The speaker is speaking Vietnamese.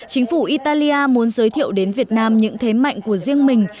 chính phủ italia muốn giới thiệu đến việt nam những thế mạnh của riêng mình